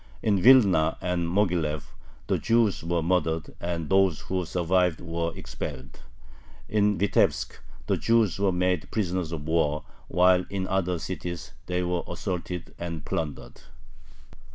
In Vilna and Moghilev the Jews were murdered, and those who survived were expelled. In Vitebsk the Jews were made prisoners of war, while in other cities they were assaulted and plundered.